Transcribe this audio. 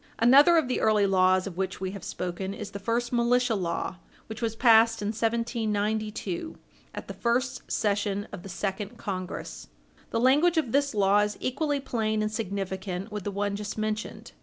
Another of the early laws of which we have spoken is the first militia law, which was passed in 1792 at the first session of the second Congress. The language of this law is equally plain and significant with the one just mentioned.